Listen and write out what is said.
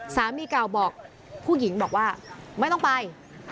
สามีเก่าบอกผู้หญิงบอกว่าไม่ต้องไป